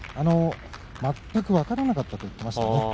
全く分からなかったと言っていました。